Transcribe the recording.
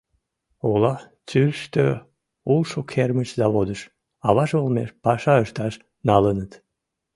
Ола тӱрыштӧ улшо кермыч заводыш аваже олмеш паша ышташ налыныт.